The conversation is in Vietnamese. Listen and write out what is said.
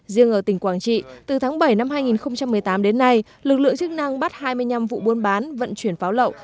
riêng ở tỉnh quảng trị từ tháng bảy năm hai nghìn một mươi tám đến nay lực lượng chức năng bắt hai mươi năm vụ buôn bán vận chuyển pháo lậu